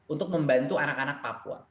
untuk membantu anak anak papua